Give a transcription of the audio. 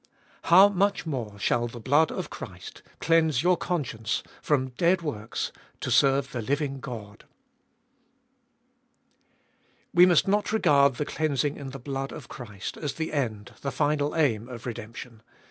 How much more shall the blood of Christ cleanse your con science from dead works to serve the living God P WE must not regard the cleansing in the blood of Christ as the end, the final aim, of redemption.